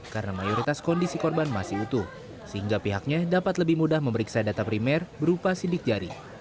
karena mayoritas kondisi korban masih utuh sehingga pihaknya dapat lebih mudah memeriksa data primer berupa sidik jari